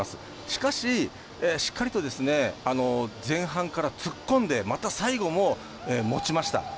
しかし、しっかりとですね前半から突っ込んでまた、最後も持ちました。